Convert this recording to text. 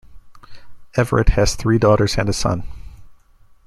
Everitt has three daughters and a son.